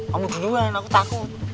kamu duluan aku takut